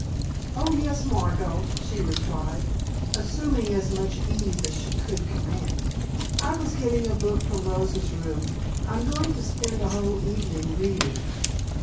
"Oh, yes, Margot," she replied, assuming as much ease as she could command, "I was getting a book from Rosa's room. I'm going to spend a whole evening reading."